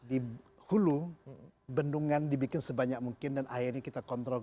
di hulu bendungan dibikin sebanyak mungkin dan akhirnya kita kontrol